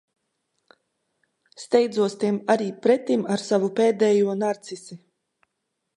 Steidzos tiem arī pretim ar savu pēdējo narcisi.